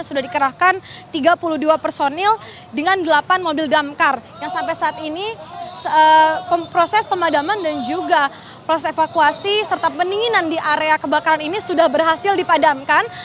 sudah dikerahkan tiga puluh dua personil dengan delapan mobil damkar yang sampai saat ini proses pemadaman dan juga proses evakuasi serta pendinginan di area kebakaran ini sudah berhasil dipadamkan